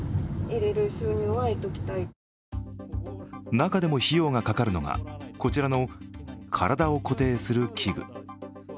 中でも費用がかかるのがこちらの体を固定する器具。